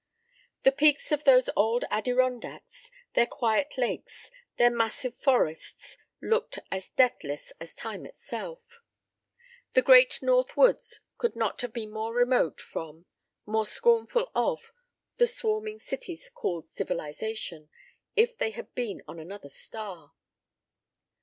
The peaks of those old Adirondacks, their quiet lakes, their massive forests, looked as deathless as time itself. "The Great North Woods" could not have been more remote from, more scornful of the swarming cities called civilization, if they had been on another star.